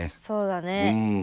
そうだね。